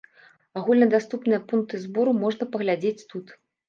Агульнадаступныя пункты збору можна паглядзець тут.